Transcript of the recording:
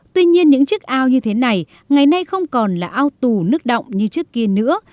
tuy nhiên những chiếc ao như thế này ngày nay không còn là ao tù nước động như trước kia nữa